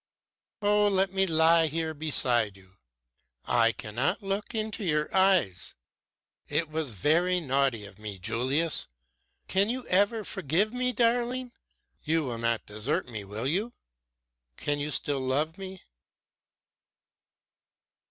"Oh, let me lie here beside you I cannot look into your eyes. It was very naughty of me, Julius! Can you ever forgive me, darling? You will not desert me, will you? Can you still love me?"